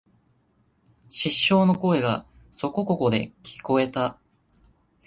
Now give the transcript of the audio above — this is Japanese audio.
失笑の声がそこここで聞えた